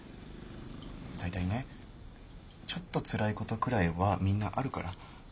大体ねちょっとつらいことくらいはみんなあるから。